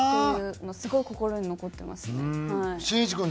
すごい心に残ってますねはい。